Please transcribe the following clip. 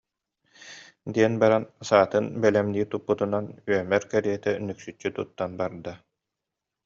диэн баран саатын бэлэмнии туппутунан, үөмэр кэ- риэтэ нүксүччү туттан бара турда